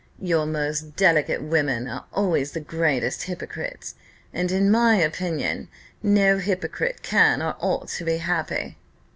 Your most delicate women are always the greatest hypocrites; and, in my opinion, no hypocrite can or ought to be happy."